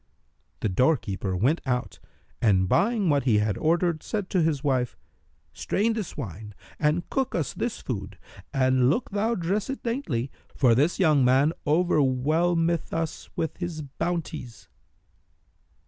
The doorkeeper went out and, buying what he had ordered, said to his wife, "Strain this wine and cook us this food and look thou dress it daintily, for this young man overwhelmeth us with his bounties."